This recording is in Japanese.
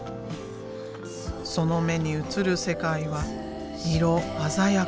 その目に映る世界は色鮮やかに光り輝く。